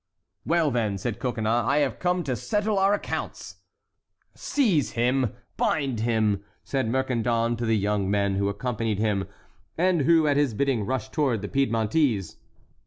"Well, then," said Coconnas, "I have come to settle our accounts." "Seize him, bind him!" said Mercandon to the young men who accompanied him, and who at his bidding rushed toward the Piedmontese.